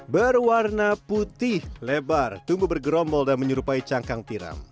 berwarna putih lebar tumbuh bergerombol dan menyerupai cangkang tiram